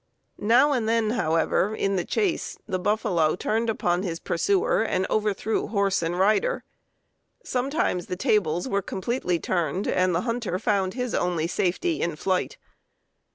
Now and then, however, in the chase, the buffalo turned upon his pursuer and overthrew horse and rider. Sometimes the tables were completely turned, and the hunter found his only safety in flight.